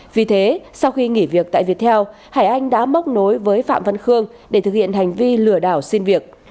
vì thế sau khi nghỉ việc tại việt theo hải anh đã móc nối với phạm văn khương để thực hiện hành vi lừa đảo xin việc